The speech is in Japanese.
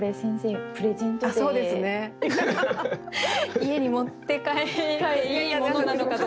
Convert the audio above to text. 家に持って帰っていいものなのかどうか。